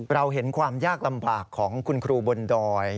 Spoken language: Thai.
เราเห็นความยากลำบากของคุณครูบนดอย